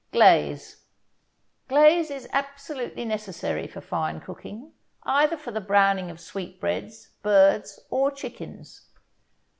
GLAZE Glaze is absolutely necessary for fine cooking, either for the browning of sweetbreads, birds or chickens.